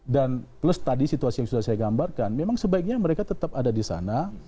dan plus tadi situasi yang sudah saya gambarkan memang sebaiknya mereka tetap ada di sana